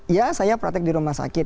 ya saya praktek di rumah sakit